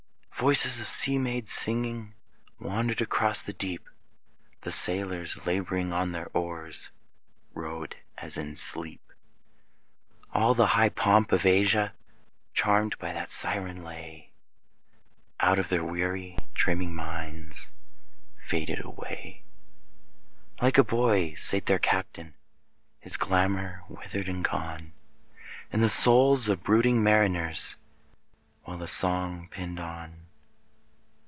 Voices of sea maids singing Wandered across the deep: The sailors labouring on their oars Rowed as in sleep. All the high pomp of Asia, Charmed by that siren lay, Out of their weary and dreaming minds Faded away. Like a bold boy sate their Captain, His glamour withered and gone, In the souls of his brooding mariners, While the song pined on.